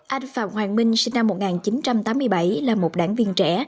anh phạm hoàng minh sinh năm một nghìn chín trăm tám mươi bảy là một đảng viên trẻ